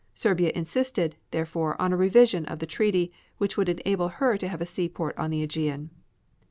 Serbia insisted, therefore, on a revision of the treaty, which would enable her to have a seaport on the AEgean.